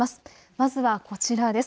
まずはこちらです。